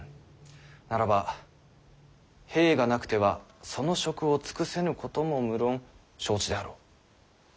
ならば兵がなくてはその職を尽くせぬことも無論承知であろう。